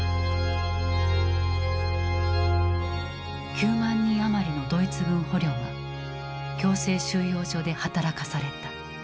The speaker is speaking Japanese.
９万人余りのドイツ軍捕虜は強制収容所で働かされた。